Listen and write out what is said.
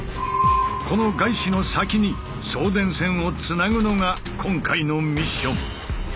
このガイシの先に送電線をつなぐのが今回のミッション。